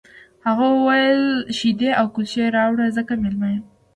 هغه وویل شیدې او کلچې راوړه ځکه مېلمه لرم